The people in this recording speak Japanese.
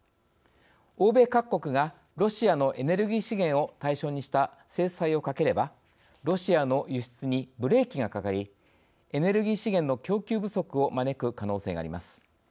欧米各国がロシアのエネルギー資源を対象にした制裁をかければロシアの輸出にブレーキがかかりエネルギー資源の供給不足を招く可能性があります。